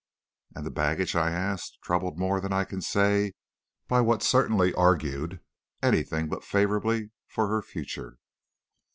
"'And the baggage?' I asked, troubled more than I can say by what certainly augured anything but favorably for her future.